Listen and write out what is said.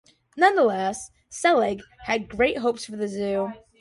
Nonetheless, Selig had great hopes for the zoo.